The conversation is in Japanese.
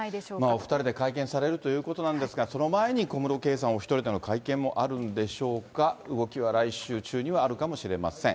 お２人で会見されるということなんですが、その前に小室圭さんお１人での会見もあるんでしょうか、動きは来週中にはあるかもしれません。